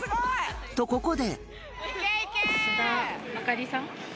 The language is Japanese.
と、ここで。